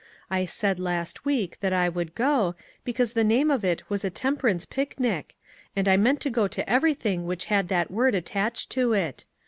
I said last week that I would go, because the name of it was a temperance picnic, and I meant to go to everything which had that word attached to it.